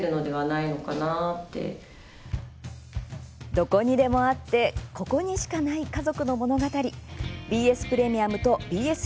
どこにでもあってここにしかない家族の物語。